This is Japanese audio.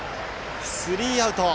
スリーアウト。